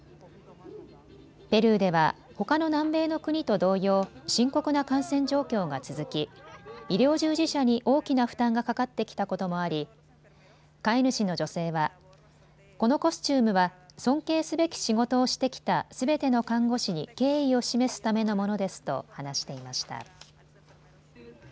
ペルーでは、ほかの南米の国と同様、深刻な感染状況が続き、医療従事者に大きな負担がかかってきたこともあり飼い主の女性はこのコスチュームは尊敬すべき仕事をしてきたすべての看護師に敬意を示すためのものですと話していました。